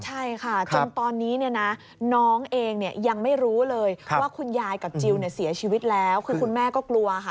จนตอนนี้น้องเองยังไม่รู้เลยว่าคุณยายกับจิลเสียชีวิตแล้วคือคุณแม่ก็กลัวค่ะ